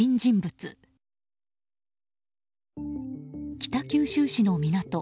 北九州市の港。